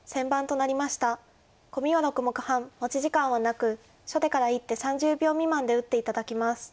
コミは６目半持ち時間はなく初手から１手３０秒未満で打って頂きます。